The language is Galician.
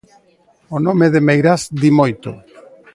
O nome de Meirás di moito.